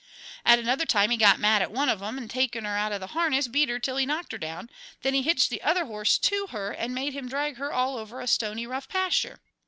At another time he got mad at one of 'em, 'nd, taking her out of the harness, beat her till he knocked her down, then he hitched the other horse to her and made him drag her all over a stony, rough pasture.